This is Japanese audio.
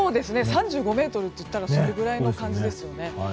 ３５メートルといったらそれぐらいの感じですよね。